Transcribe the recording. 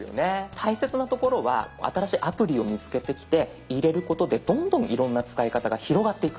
大切なところは新しいアプリを見つけてきて入れることでどんどんいろんな使い方が広がっていく。